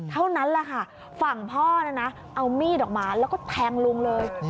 เท่านั้นแหละค่ะฝั่งพ่อนะนะเอามีดออกมาแล้วก็แทงลุงเลย